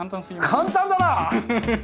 簡単だな！